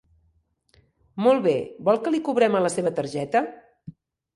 Molt bé, vol que li cobrem a la seva targeta?